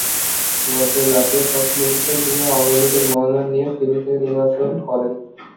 গত জাতীয় সংসদ নির্বাচনে তিনি আওয়ামী লীগের মনোনয়ন নিয়ে ফেনী থেকে নির্বাচন করেন।